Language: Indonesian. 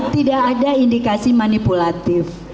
tidak ada indikasi manipulatif